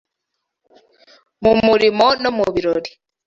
mu murimo no mu birori,